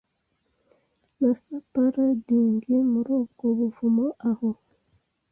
Na superadding Muri ubwo buvumo aho